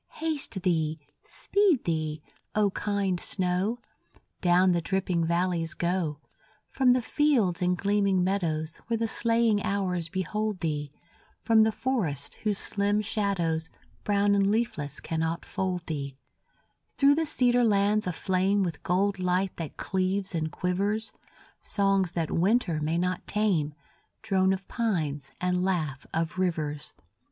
Haste thee, speed thee, O kind snow; Down the dripping valleys go, From the fields and gleaming meadows, Where the slaying hours behold thee, From the forests whose slim shadows, Brown and leafless cannot fold thee, Through the cedar lands aflame With gold light that cleaves and quivers, Songs that winter may not tame, Drone of pines and laugh of rivers.